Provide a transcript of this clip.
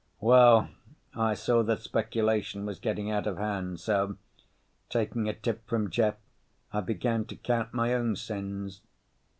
Well, I saw that speculation was getting out of hand so, taking a tip from Jeff, I began to count my own sins.